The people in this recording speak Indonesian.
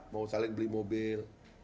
mau saling beli mobil